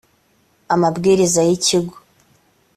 amabwiriza y ikigo